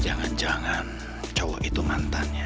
jangan jangan cowok itu mantannya